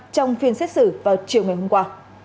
trong phiên xét xử vào chiều ngày hôm qua